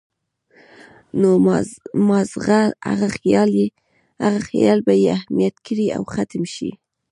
نو مازغۀ هغه خيال بې اهميته کړي او ختم شي